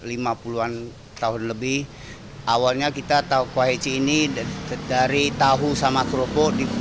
ini sudah ada sejak lima puluh an tahun lebih awalnya kita tahu kuah heci ini dari tahu sama keropok